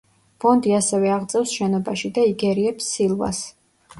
ბონდი ასევე აღწევს შენობაში და იგერიებს სილვას.